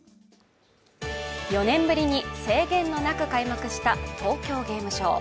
４年ぶりに制限もなく開幕した東京ゲームショウ。